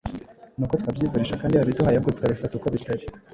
nuko twabyivurisha kandi yarabiduhaye ahubwo tukabifata uko bitari